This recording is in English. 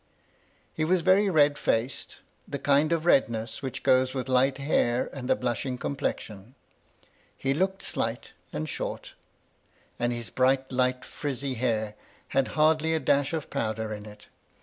He was very red faced, the kind of redness which goes with light hair, and a blushing complexion ; he looked slight and short, and his bright light frizzy hair had hardly a dash of powder in it.